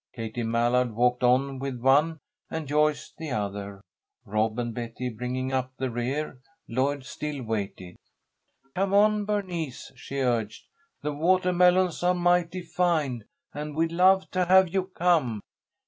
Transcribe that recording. Katie Mallard walked on with one and Joyce the other, Rob and Betty bringing up the rear. Lloyd still waited. "Come on, Bernice," she urged. "The watahmelons are mighty fine, and we'd love to have you come."